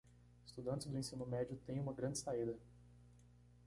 Estudantes do ensino médio têm uma grande saída